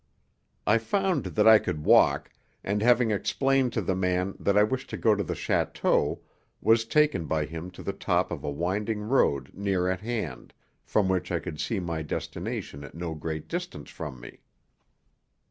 I found that I could walk, and having explained to the man that I wished to go to the château, was taken by him to the top of a winding road near at hand, from which I could see my destination at no great distance from me.